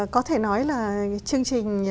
có thể nói là chương trình